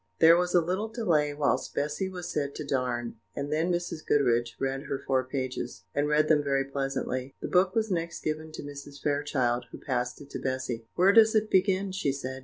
There was a little delay whilst Bessy was set to darn, and then Mrs. Goodriche read her four pages, and read them very pleasantly. The book was next given to Mrs. Fairchild, who passed it to Bessy. "Where does it begin?" she said.